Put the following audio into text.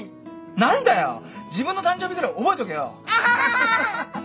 何だよ自分の誕生日ぐらい覚えとけよ。